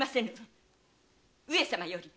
上様より